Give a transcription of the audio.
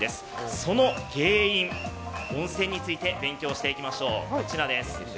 その原因、温泉について勉強していきましょう。